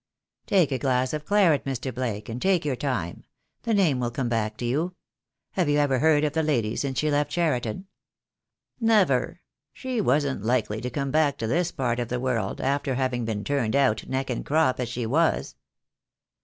"Take a glass of claret, Mr. Blake, and take your time. The name will come back to you. Have you ever heard of the lady since she left Cheriton?" "Never — she wasn't likely to come back to this part of the world after having been turned out neck and crop, as she was.